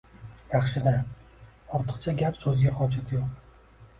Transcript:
Yaxshi-da, ortiqcha gap so`zga hojat yo`q